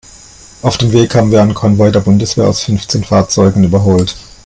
Auf dem Weg haben wir einen Konvoi der Bundeswehr aus fünfzehn Fahrzeugen überholt.